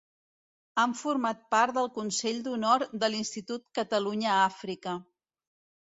Ha format part del consell d'honor de l'Institut Catalunya Àfrica.